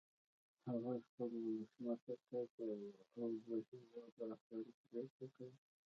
هغوی خپل ولسمشر ټاکي او د هېواد رهبري پرېکړه کوي.